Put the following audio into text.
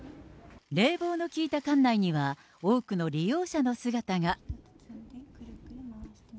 冷房の効いた館内には、多くの利用者の姿が。